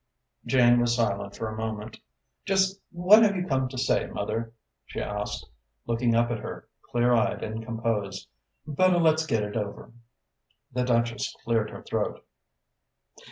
Jane was silent for a moment. "Just what have you come to say, mother?" she asked, looking up at her, clear eyed and composed. "Better let's get it over." The Duchess cleared her throat.